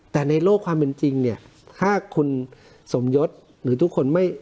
แต่ในโลกความเป็นจริงเนี่ยถ้าคุณสมยศหรือทุกคนไม่